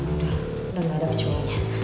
udah udah gak ada kecukunya